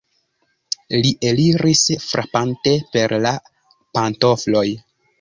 Li eliris, frapante per la pantofloj.